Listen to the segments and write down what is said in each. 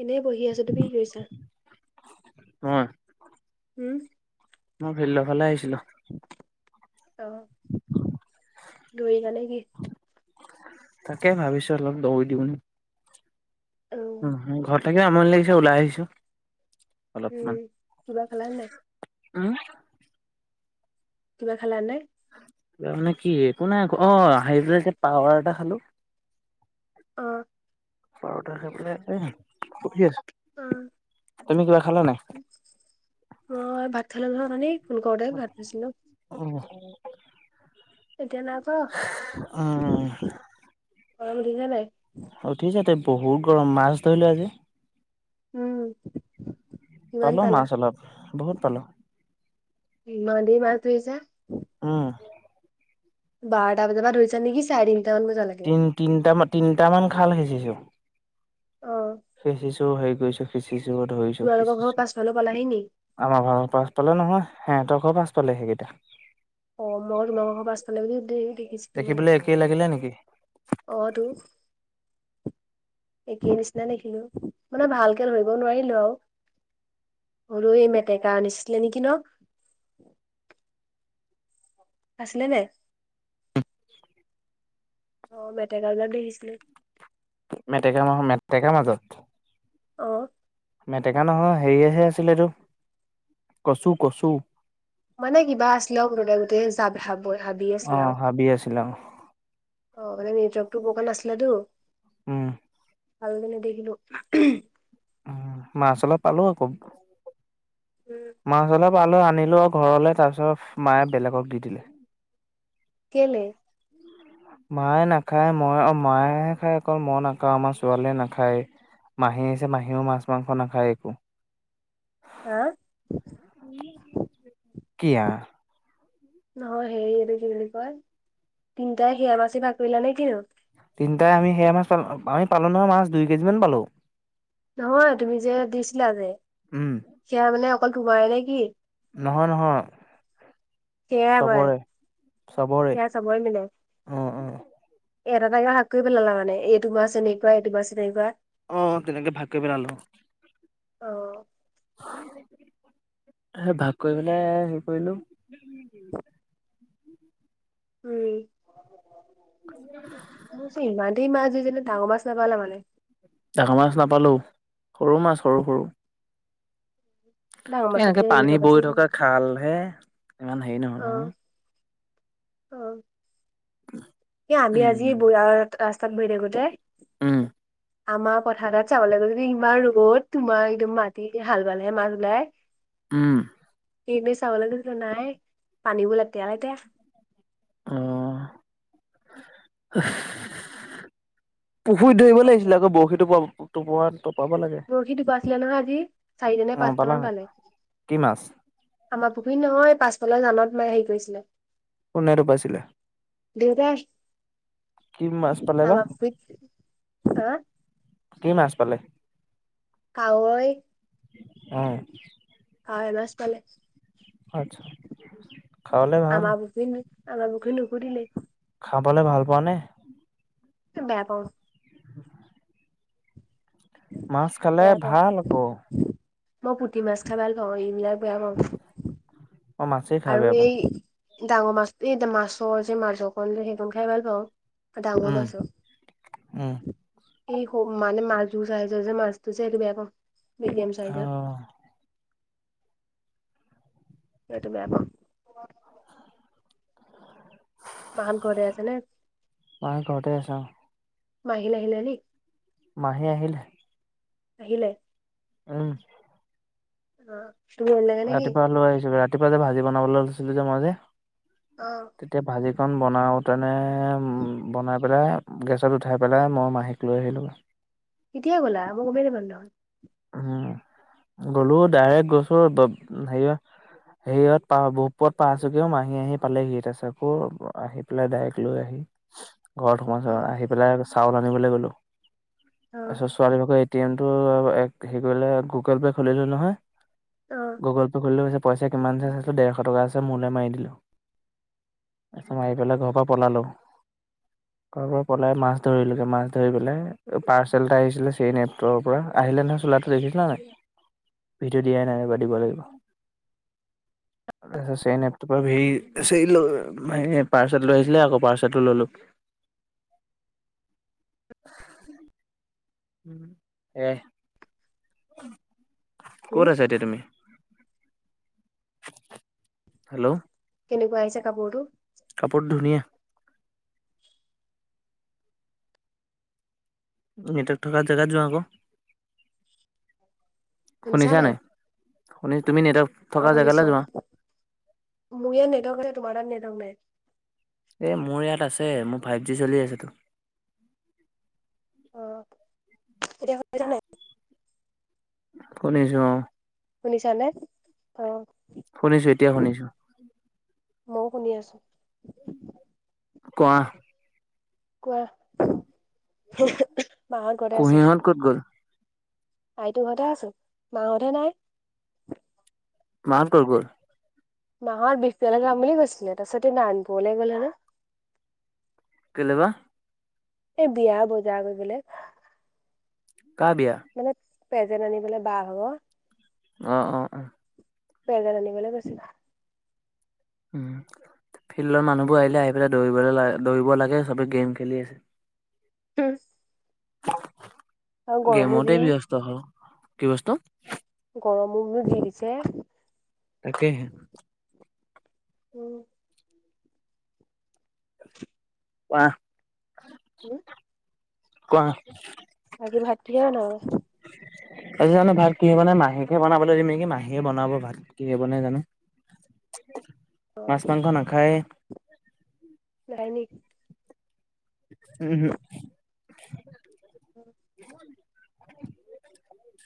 এনেই বহি আছো তুমি কি কৰিছা মই উম মই ফিল্ডৰ ফালে আহিছিলো অ দৌৰি ছা নেকি? তাকে ভাবিছোঁ অলপ দৌ দিওঁনি। অ, উম ঘৰত থাকি আমনি লাগিছে ওলাই আহিছো। উম কিবা খালা নাই। আহ। কিবা খালা নে? তাৰ মানে কি একো নাই অ পাৱাৰ এটা খালো। অ। পাৱাটা খাই পেলাই এ পঢ়ি আছোঁ। উম অ ভাত খালোঁ নহয় উথনি ফোন কৰোঁতে ভাত খাইছিলোঁ। উম এতিয়া নাইখোৱা উম গৰম উঠিছে নাই। উঠিছে ত বহুত গৰম মাছ ধৰিলোঁ আজি। উম। কিমান পালোঁ পালা মাছ অলপ বহুত পালোঁ। ইমান দেৰি মাছ ধৰিছা। উম। বাৰটা বজা পা ধৰিছা নেকি চাৰি। তিন তিনটা মান তিনিটা মান খাল সিচিছো। অ গ‌ইছো সিঁচিছো ধৰিছো তোমালোকৰ ঘৰৰ সিঁচিছো পাছফালেও পালাহি নি আমাৰ ঘৰৰ পাছ ফালে নহয়। হে ত ঘৰ পাছ ফালে সেইকেইটা। অ মই তোমালোকৰ পাছ ফালে বুলি ধেই দেখিছিলোঁ মানে। দেখিবলৈ একেই লাগিলে নেকি অ তু একেই নিচিনা দেখিলোঁ মানে ভালকে ধৰিব নোৱাৰিলোঁ আও। সৰু এই মেটেকা নিচছিলি নেকি ন। আছিলে নাই। অ মেটেকা অলপ দেখিছিলোঁ। মেটেকা মাহ মেটেকা মাজত। অ। মেটেকা নহয় হেৰিহে আছিল এইটো কচু কচু। মানে কিবা আছিলেও মুথতে গোটেই যাব হাব বৈ হাবি অ আছিলে আও। হাবি আছিলে অ হ। অ মানে নেটৱৰ্কতো বকে নাছিলেটো। উম। আৰু যে নেদেখিলোঁ উম হ উম মাছ অলপ পালোঁ অক উম মাছ অলপ পালো আ। নিলো ঘৰলে তাৰপিছত মায়ে বেলেগক দি দিলে। কেলে। মায়ে নাখায় মই আও মায়েহে খায় ক মই নাখাওঁ আমাৰ ছোৱালীয়ে নাখায়। মাহী আহিছে মাহীও মাছ মাংস নাখায়েই একো। হা কিয়া। নহয় সেই এইটো কি বুলি কয় তিনটাই সেয়া মাছ ভাগ কৰিলা নে কিনো। তিনিটাই আমি সেয়া মাছ পা পাৱৈত পালোঁ নহয় মাছ দুই কেজি মান পালোঁ। নহয় তুমি যে দিছিলা যে উম সেয়া মানে অকল তোমাৰে নে কি। নহয় নহয় সেয়াই আমাৰে চবৰে। চবৰে সেয়া চবৰে মিলে উ উ। এটা এটাকে ভাগ কৰি পেলালা মানে এইটো মাছ এনেকুৱা এইটো মাছ এনেকুৱা। অ তেনেকে ভাগকৈ পেলালোঁ। অ হ হ সে ভাগ কৰি পেলাই হেৰি কৰিলোঁ। উম মো যে ইমান দেই মাছ। যেনে ডাঙৰ মাছ নাপালে মানে ডাঙৰ মাছ নাপালো সৰু মাছ সৰু সৰু ডাঙৰ এ মাছতকে এনেকে পানী এনেকুৱা বাছি বৈ যায় থকা খালহে ইমান হেৰি নহয় নহয় আহ এ আমি আজি উম ৰাস্তাত গৈ থাকোতে উম আমাৰ পথাৰত চাব লাগিব যদি ইমান ৰদ তোমাৰ একদম মাটি হাল ভালহে মাছ ওলাই উম এইপিনে চাবলৈ গৈছিলোঁ নাই পানীবোৰ লেতেৰা লেতেৰা অহ পুখুৰীত চব ধৰিব পানী লাগিছিলে আকৌ বৰশীটো টোপাত বৰশী টোপাই চিলে নহয় আজি চাৰিটা নে অ পালা পাঁচটামান হয় পালে কি মাছ আমাৰ পুখুৰীত নহয় পাছফালৰ জানত মাই হেৰি কৰিছিলে কোনে টোপাইছিলে। দেউতাই কি মাছ পালে বা আমাৰ পুখুৰীত হা কি মাছ পালে কাৱৈ হ কাৱৈ মাছ পালে আচ্ছা খাবলে ভাল আমাৰ বৰখিত আমাৰ বৰখিত নোখোটিলে খাবলে ভাল পোৱা নে বেয়া পাও মাছ খালে বেয়া পাওঁ ভাল আকৌ মই পুঠি মাছ খাই ভাল পাওঁ এইবিলাক বেয়া পাওঁ অ মাছেই খাই আৰু বেয়া পাও এই ডাঙৰ মাছ এই মাছৰ যে মাছকণ যে সেইকণ খাই ভাল পাওঁ ডাঙৰ উম মাছো উম এই মানে মাছ যো যি মাছটো যে সেটো বেয়া পাও মিডিয়াম অ চাইজৰ সেইটো বেয়া পাও মাহত ঘৰতে আছে নে মায়ে ঘৰতে আছে অ মহীলে আহিলে লিক মাহী আহিলে? আহিলে। ওম অ তুমি আনিলাগে নেকি? ৰাতিপুৱা লৈ আহিছো ৰাতিপুৱা যে ভাজি বনাবলৈ লৈছিলো যে মই যে অ তেতিয়া ভাজিখনন বনাওতেনে বনাই পেলাই গেছত উঠাই পেলাই মই মাহীক লৈ আহিলো। কেতিয়াই গ'লা মই গমেই নাপালো। উম গলো ডাইৰেক্ট গৈছো হেৰিয়া সেয়ত পা বহ [unintelligible] পাইছোহি যে মাহী আহি পালেহি‌ তাৰ পাছত আকৌ আহি পেলাই ডাইৰেক্ট লৈ আহি ঘৰত অ সোমাইছো আহি পেলাই চাউল আনিবলৈ গ'লো অ তাৰ পিছত ছোৱালী এটি এম টো হেৰি কৰিলে গুগল পে খুলিলো নহয় অ গুগল পে খুলিলো পইচা কিমান চ চাইছিলোঁ ডেৰশ টকা আছে মোলে মাৰি দিলোঁ তাৰপছত মই আহি পেলাই ঘৰৰ পৰা পলালো [inaudible] ঘৰৰ পৰা পলাই মাছ ধৰিলোগে মাছ ধৰি পেলাই পাৰ্চেল এটা আহিছিলে চেন এপটোৰ পৰা আহিলে নহয় চোলাটো দেখিছিলা নাই ভিডিঅ' দিয়াই নাই ৰবা দিব লাগিব। [inaudible] তাৰপিছতেই চেন এপটোৰ সি চেইল হাই পাৰ্চেল লৈ আহিছিলে আকৌ পাৰ্চেলটো ললোঁ [unintelligible] [inaudible] এ কত হুম আছা এতিয়া তুমি? হেল্ল' কেনেকুৱা আহিছে কাপোৰটো কাপোৰ ধুনীয়া নেটৱৰ্ক থকা জেগাত যোৱা ক। শুনিছা নাই? তুমি নেটৱৰ্ক অ থকা জেগালৈ শুনিছো। যোৱা মোৰ এ নেটৱৰ্ক না তোমাৰ তাত নেটৱৰ্ক নাই। এ মোৰ ইয়াত আছে মোৰ ফাইভ জি চলি আছেতো। অ এতিয়া শুনিছা নাই? শুনিছো অ। শুনিছা নে? অ। শুনিছো এতিয়া শুনিছো। মইও শুনি আছো। কোৱা? কোৱা? মাহত ঘৰতে আছে কুঁহিহঁত ক'ত গ'ল? আইতো ঘৰতে আছো, মাহঁতে নাই। মাহঁত কত গল? মাঁহত বিফিয়ালে যাম বুলি কৈছিলে, তাৰ পিছতে নাৰায়ণপুৰলৈ গলে নে। কেলে বা? এই বিয়া বজাৰ কৰিবলে। কা বিয়া? পেজেন আনিবলৈ বাহ ভাগ। অ অ অ পেজেন আনিবলৈ গৈছে। উম ফিল্ডৰ মানুহবোৰ আহিলে আহি পেলাই দৌৰিবলৈ দৌৰিব লাগে সবে গেম খেলি আছে। হম গেমতে যি ব্যস্ত হয়। কি বস্তু? মনো জীৱছে [unintelligible] তাকেই হে উ কোৱা? হম কোৱা আজি ভাত কিহে বনাবা? তাপিছত জানো ভাত কিহে বনাই, মাহীকে বনাবলৈ দিম নেকি মাহীয়েকে বনাব ভাত কিহে বনাই জানো। [inaudible] অ মাছ মাংস নাখায়। পায়নিক উম হম হয়। [inaudible]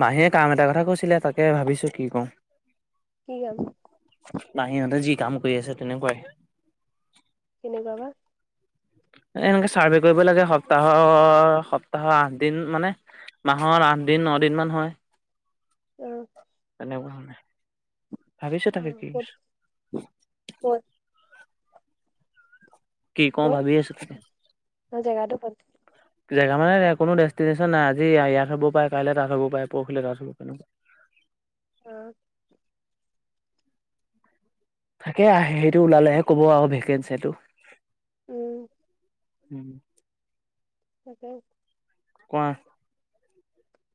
মাহীয়ে কাম এটা কথা কৈছিলে তাকে ভাবিছো কি কওঁ। কি কাম? মাহীহঁতে যি কাম কৰি আছে তেনেকুৱাই। কেনেকুৱা বা এনেকে চাৰ্ভে কৰিব লাগে সপ্তাহৰ সপ্তাহৰ আঠ দিন মানে। মাহৰ আঠ দিন ন দিন মান হয় অ তেনেকুৱা মানে। ভাবিছো অ তাকে কিছ- ক'ত ক'ত কি কওঁ ক'ত ভাবি আছো তাকে। অ', জেগাটো ক'ত জেগা মানে কোনো ডেষ্টিশ্যন নাই আজি ইয়াত হ'ব পাৰে কাইলে তাত হ'ব পাৰে পৰহিলে তাত হ'ব তেনেকুৱা। উম। তাকে সেইটো ওলালেহে কব আৰু ভেকেঞ্চিটো। উম। উম। [unintelligible] কোৱা।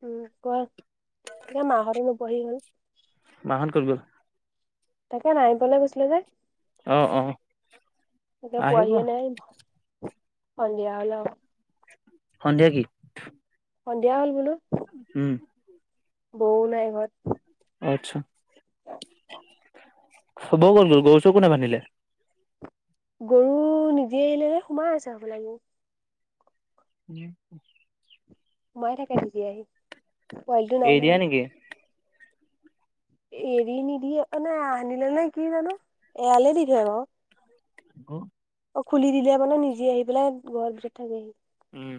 উম কোৱা তাকে মাহঁতে নুপুৱাহি হল। মাহত কত গল? তাকে নাইবলে কৈছিলে যে। অ অ। তে আহিব পোৱাহিয়ে নাই সন্ধিয়া হল। সন্ধিয়া কি। সন্ধিয়া হল বোলো। উম। বৌ নাই ঘৰত। আচ্ছা খাব গলো গৰু চৰু কোনে বান্ধিলে? গৰু নিজেআহিলে যে সোমাই আছে হবলা গৰু। উম। সোমাই থাকে নিজে আহি পোৱালটো নাই এৰি দিয়া নহয়। নেকি? এৰি নিদিয়ে অ নাই আনিল নে কি জানো এয়ালে দি থয় বাৰু। হ। অ খুলি দিলে মানে নিজে আহি পেলাই ঘৰৰ ভিতৰত থাকেহি। উম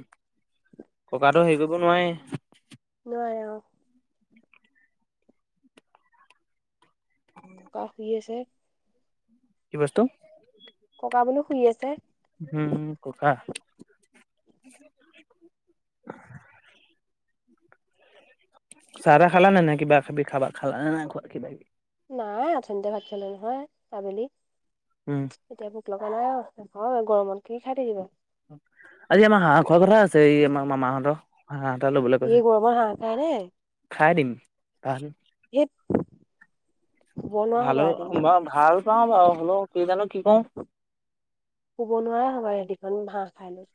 ককাটো হেৰি কৰিব নোৱায়ে। নোৱাৰে অ। ককা শুই আছে। কি বস্তু। ককা বোলো শুই আছে। উম ককা। [inaudible] চাহ তাহ খালা নে নাই কিবা কিবি খাবা খালা নে নাই কিবা কিবি। নাই আথনিতে ভাত খালো নহয় আবেলি। উম। এতিয়া ভোক লগা নাই অ গৰমত কি খাই থাকিবা। আজি আমাৰ হাহ খোৱা কথা আছে এই আমাৰ মামাহতৰ। হাহ এটা লবলৈ এই কৈছে গৰমত হাঁহ খাই খাই দিম আজি হেট। ভাল ব ভাল পাওঁ বাৰু হ'লও কি জানো কি কওঁ। শুব নোৱাৰা হবা ৰাতিখন হাঁহ খাই লৈ।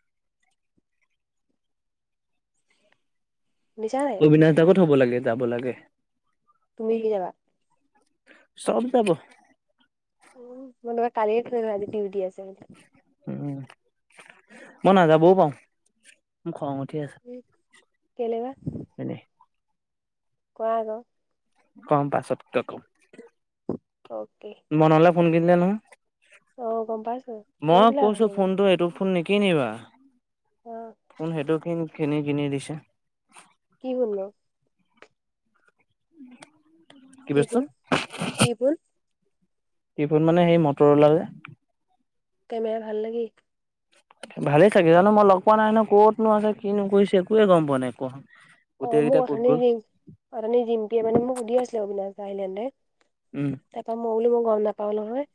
শুনিছা নাই অবিনাশ দা কু থব লাগে যাব লাগে। তুমি কি যাবা‌? চবজাব। ওহ [unintelligible] উম মই নাযাবও পাওঁ মো খং উঠি আছে। কেলেবা? এনে। কোৱা আক। কম পাছতকে কম অ কে মনলে ফোন কিনিলে নহয় পাইছো মই কৈছিলা কৈছো অথনি মোক ফোনটো এইটো ফোন নেকি- কিনিবা অ কোন সেইটো কিনি কিনি কিনি দিছে- কি হলো- উম কি বুল কি বুল কি বুল মানে সেই মটৰ ওলা যে কেমেৰা ভাল লাগি- ভালে থাকে জানো মই লগ পোৱা নাই ন ক'তনো আছে কিনোকৈছে একোৱে গম পোৱা নাই। ক অ গোটেই মোক কেইটা অথ ক'ত গ'ল জিম অথি জিমকে মানে মোক সুধি আছিলে অবিনাশ দাস আহিলে নাই উম তাৰপা মই বল মই গম নাপাওঁ নহয়।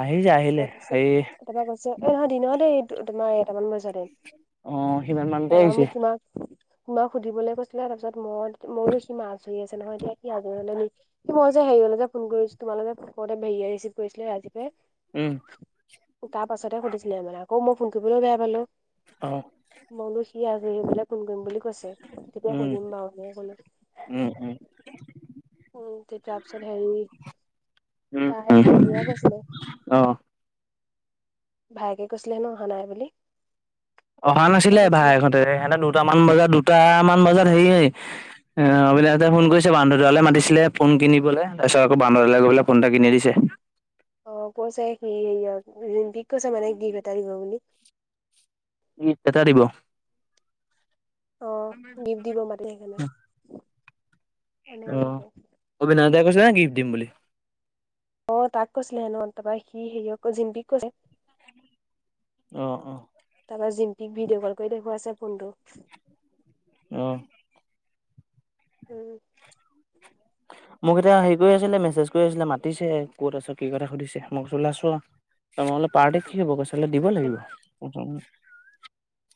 আহিছে ত আহিলে কৈছে সেই তাৰাপৰা কৈছে এ নহয় দিনৰ দেই তোমাৰ এটামান বজাত যোৱাতে- অ সিমান মানতে দাদা আহিছে মোক তোমাক তোমাক সুধিবলৈ গৈছিলে তাৰপিছত মই মইো সি মাছ ধৰি আছে নহয়। এতিয়া সিৰিলে সি মই যে হেৰি হললে যে ফোন কৰিছোঁ তোমালোকে ভায়া ৰিচিভ কৰিছিলে আজি উম তাৰ পাছতে সুধিছিলে মানে আকৌ মই ফোন কৰিবলৈও বেয়া পালো অ মইনো- কি আ পেললে ফোন কৰিম বুলি কৈছে তেতিয়া উম সুধিম বাৰু কলো- উম উম উ তে তাৰ পিছত হেৰি উম তাই তেতিয় কৈছিলে। অ ভায়েকে কৈছিলে হেনো অহা নাই বুলি- অহা নাছিলে তাৰপিছত সি ভাইহঁতে সিহঁতে দুটামান বজাত দুটামান বজাত হেৰি হয়। অ অবিনাশ দা ফোন কৰিছে বান্ধৰডোৱালে মাতিছিলে ফোন কিনিবলৈ তাৰপিছতকৌ বান্ধদাল গৈ পাক ফোন এটা কিনি দিছে। [inaudible] অ কৈছে কি হেৰি ৰিমপি কৈছে মানে কিফ এটা দিব বুলি। ডিপ এটা দিব। অ', গিফ্ট এনেই আছো তাই কৰিছিলে নো গিফ্ট দিম বুলি অ তাক কৈছিলে হেনো তাৰপৰা সি হেৰিয় জিম্পীক কৈছে। আহ আহ ঠিক ভিডিঅ' কল কৰি দেখুৱাই আছে ফোনটো আহ উম মোক এতিয়া হেৰি কৰি আছিলে মেছেজ কৰি আছিলে মাতিছে ক'ত আছে কি কথা সুধিছে মোক লাইছো। তেনে হলে পাৰ্টি কিহব কৈছলে দিব লাগিব।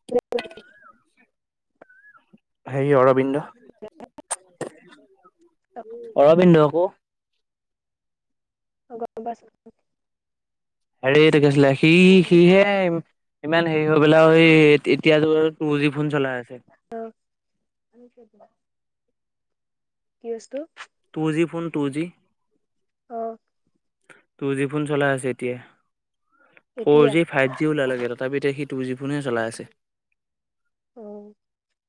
ব [unintelligible] সেৰি অৰবিন্দ অৰবিন্দ ক গছ হেৰি গৈছিলে সি সিহে ইমান হেৰি হৈ পেলাই স এতিয়াতো অ কি বস্ত two G phone two G আহ টু জি ফোন চলাই আছে। এতিয়া ফৰ এতিয়া জি ফাইভ জি ওলাল লাগে তথাপিতে টু জি ফোনে চলাই আছে আহ